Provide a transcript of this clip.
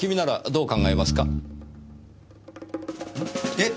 えっ？